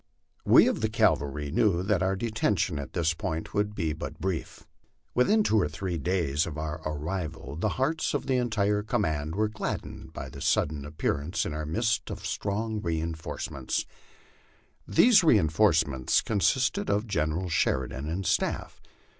We of the cavalry knew that our detention at this point would LIFE OX THE PLAINS. 145 be but brief. Within two or three days of our arrival the hearts of the entir* command were gladdened by the sudden appearance in our midst of strong reinforcements. These reinforcements consisted of General Sheridan and staff.